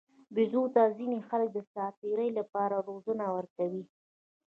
بیزو ته ځینې خلک د ساتیرۍ لپاره روزنه ورکوي.